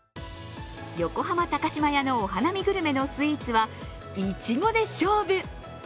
横浜高島屋のお花見グルメのスイーツは、いちごで勝負。